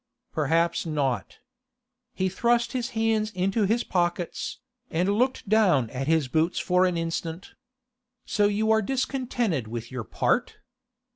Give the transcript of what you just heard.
'Perhaps not.' He thrust his hands into his pockets, and looked down at his boots for an instant. 'So you are discontented with your part?